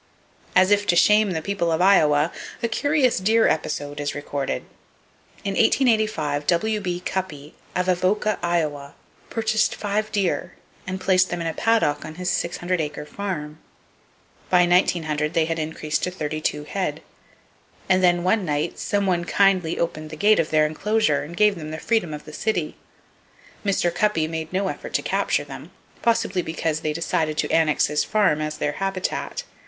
As if to shame the people of Iowa, a curious deer episode is recorded. In 1885, W.B. Cuppy, of Avoca, Iowa, purchased five deer, and placed them in a paddock on his 600 acre farm. By 1900 they had increased to 32 head; and then one night some one kindly opened the gate of their enclosure, and gave them the freedom of the city. Mr. Cuppy made no effort to capture them, possibly because they decided to annex his farm as their habitat.